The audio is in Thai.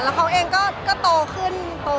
แล้วเขาเองก็โตขึ้นเยอะเลยค่ะ